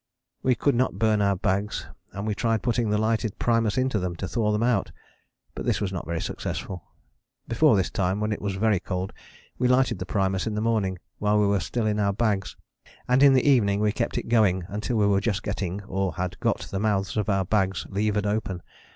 We could not burn our bags and we tried putting the lighted primus into them to thaw them out, but this was not very successful. Before this time, when it was very cold, we lighted the primus in the morning while we were still in our bags: and in the evening we kept it going until we were just getting or had got the mouths of our bags levered open.